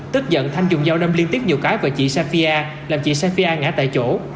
tức giận thanh dùng dâu nâm liên tiếp nhiều cái